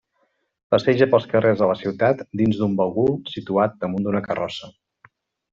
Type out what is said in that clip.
Passeja pels carrers de la ciutat dins d'un bagul situat damunt d'una carrossa.